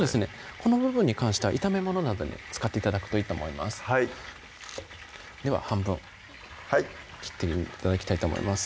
この部分に関しては炒め物などに使って頂くといいと思いますでは半分はい切って頂きたいと思います